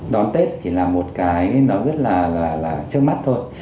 đón tết chỉ là một cái nó rất là trước mắt thôi